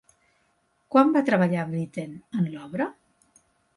Quan va treballar Britten en l'obra?